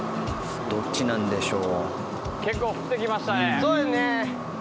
どっちなんでしょう？